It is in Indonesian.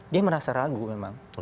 dia merasa ragu memang